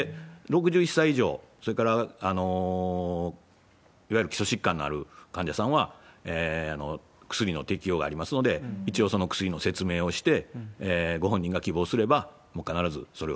で、６１歳以上、それからいわゆる基礎疾患のある患者さんは、薬の適用がありますので、一応その薬の説明をして、ご本人が希望すれば、なるほど。